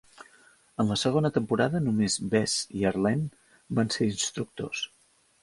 En la segona temporada, només Bess i Arlaine van ser instructors.